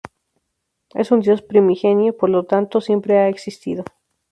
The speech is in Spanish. Es un dios primigenio, por lo tanto, siempre ha existido.